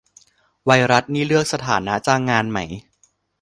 ไวรัสนี่เลือกสถานะจ้างงานไหม